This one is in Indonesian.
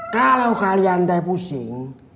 kalau kalian deh pusing